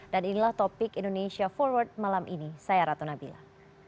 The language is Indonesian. dan inilah topik indonesia forward malam ini saya ratu nabila